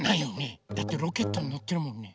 だってロケットにのってるもんね。